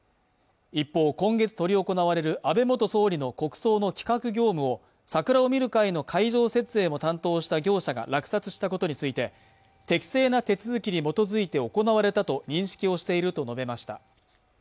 一方、今月執り行われる安倍元総理の国葬の企画業務を桜を見る会の会場設営も担当した業者が落札したことについて、適正な手続きに基づいて行われたと認識をしていると述べました。